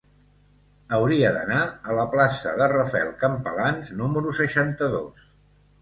Hauria d'anar a la plaça de Rafael Campalans número seixanta-dos.